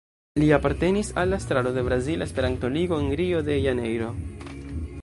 Li apartenis al la estraro de Brazila Esperanto-Ligo, en Rio de Janeiro.